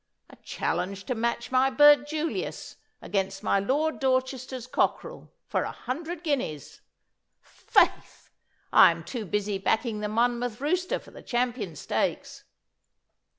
A challenge to match my bird Julius against my Lord Dorchester's cockerel for a hundred guineas. Faith! I am too busy backing the Monmouth rooster for the champion stakes.